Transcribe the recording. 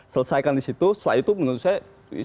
selesaikan di situ setelah itu menurut saya